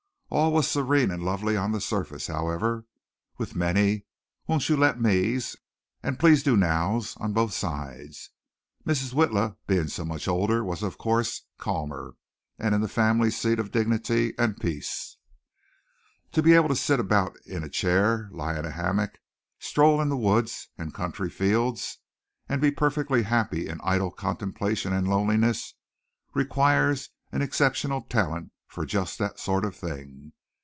All was serene and lovely on the surface, however, with many won't you let me's and please do now's on both sides. Mrs. Witla, being so much older, was, of course, calmer and in the family seat of dignity and peace. To be able to sit about in a chair, lie in a hammock, stroll in the woods and country fields and be perfectly happy in idle contemplation and loneliness, requires an exceptional talent for just that sort of thing.